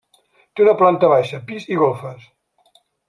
Té una planta baixa, pis, i golfes.